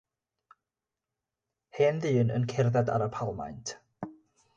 Hen ddyn yn cerdded ar y palmant